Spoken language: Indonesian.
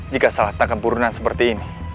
jika salah tangkap burunan seperti ini